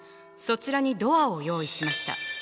そちらにドアを用意しました。